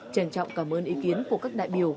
trân trọng cảm ơn ý kiến của các đại biểu